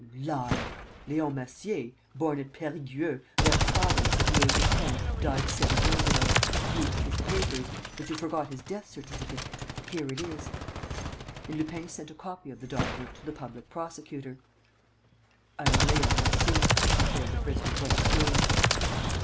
"You lie. Leon Massier, born at Perigueux, left fatherless at the age of ten, died seven years ago. You took his papers. But you forgot his death certificate. Here it is." And Lupin sent a copy of the document to the public prosecutor. "I am Leon Massier," declared the prisoner, once again.